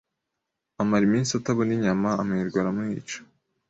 amara iminsi atabona inyama, amerwe aramwica